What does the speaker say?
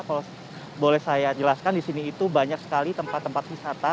kalau boleh saya jelaskan di sini itu banyak sekali tempat tempat wisata